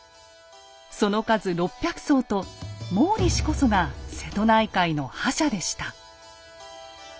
その数６００艘と毛利氏こそが瀬戸内海の覇者でした。